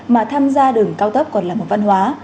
mà tham gia đường cao tốc còn là một văn hóa